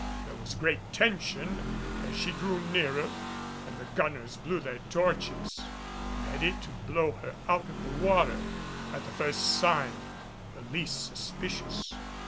There was great tension as she drew nearer and the gunners blew their torches, ready to blow her out of the water at the first sign the least suspicious.